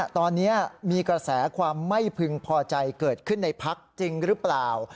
ตอนนี้มีกระแสความไม่พึงพอใจเกิดขึ้นในพักจริงหรือเปล่า